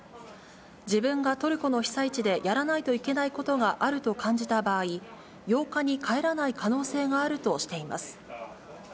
自分がトルコの被災地でやらないといけないことがあると感じた場合、８日に帰らない可能性があるとしています。